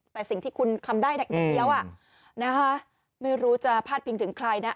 แต่สิ่งที่คุณทำได้อย่างเดียวไม่รู้จะพาดพิงถึงใครนะ